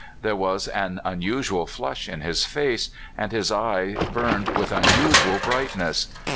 There was an unusual flush in his face, and his eye burned with unusual brightness.